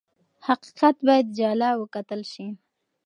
حقیقت باید جلا وکتل شي.